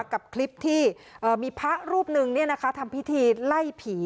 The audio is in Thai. กับคลิปที่เอ่อมีพระรูปหนึ่งเนี่ยนะคะทำพิธีไล่ผี